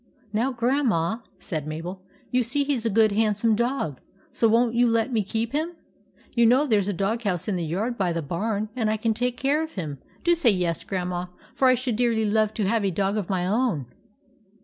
" Now, Grandma," said Mabel, " you see he 's a good, handsome dog ; so won't you let me keep him ? You know there 's a dog house in the yard by the barn, and I could take care of him. Do say yes, Grandma, for I should dearly love to have a dog of my own."